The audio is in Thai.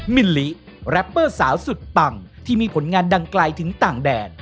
มิลลิแรปเปอร์สาวสุดปังที่มีผลงานดังไกลถึงต่างแดด